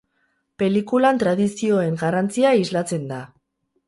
Pelikulan tradizioen garrantzia islatzen da.